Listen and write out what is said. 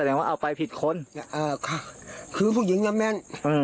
หรอคือพื้นหญิงยังแม่น